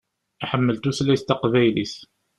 Iḥemmel tutlayt taqbaylit.